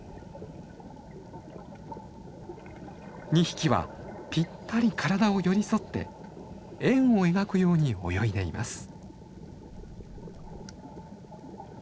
２匹はぴったり体を寄り添って円を描くように泳いでいます。